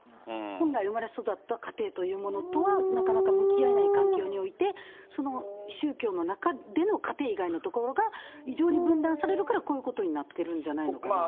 本来、生まれ育った家庭というものとは、なかなか向き合えない環境において、その宗教の中での家庭外の所が、異常に分断されるから、こういうことになってるんじゃないのかなと。